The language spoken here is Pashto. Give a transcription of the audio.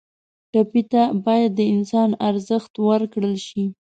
ټپي ته باید د انسان ارزښت ورکړل شي.